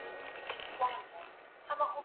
زه اجازه لرم چي مرسته وکړم!؟